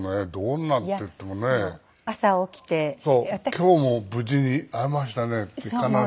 今日も無事に会えましたねって必ず。